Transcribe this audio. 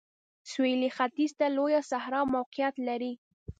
سویلي ختیځ ته یې لویه صحرا موقعیت لري.